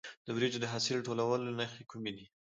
د وریجو د حاصل ټولولو نښې کومې دي؟